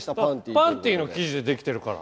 パンティの生地でできてるから。